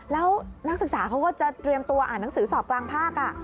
แล้วนักศึกษาเขาก็จะเตรียมตัวอ่านหนังสือสอบกลางภาค